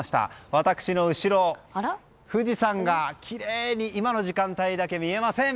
私の後ろ、富士山がきれいに今の時間帯だけ見えません！